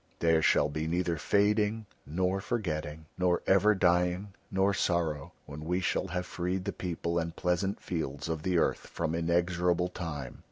There shall be neither fading nor forgetting, nor ever dying nor sorrow, when we shall have freed the people and pleasant fields of the earth from inexorable Time."